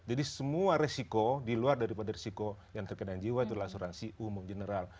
jadi semua risiko di luar daripada risiko yang terkait dengan jiwa itu adalah asuransi umum general